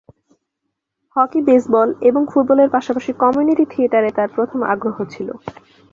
Hockey, baseball এবং ফুটবলের পাশাপাশি কমিউনিটি থিয়েটারে তার প্রথম আগ্রহ ছিল।